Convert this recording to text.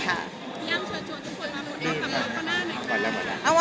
พี่อ้ามชอบชอบทุกคนมาหมดเดียวกับมักคณะหนึ่งค่ะ